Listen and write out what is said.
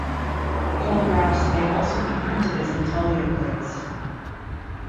Collagraphs may also be printed as intaglio plates.